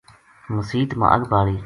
مسیت ما اَگ بالی